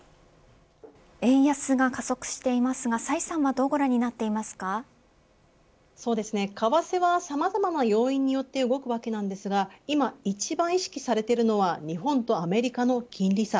円安が加速していますが崔さんは為替はさまざまな要因によって動くわけなんですが今、一番意識されているのは日本とアメリカの金利差。